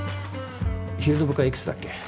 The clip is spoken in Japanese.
昼の部会いくつだっけ？